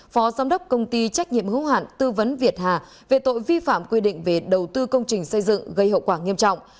phó giám đốc công ty trách nhiệm hữu hạn tư vấn việt hà về tội vi phạm quy định về đầu tư công trình xây dựng gây hậu quả nghiêm trọng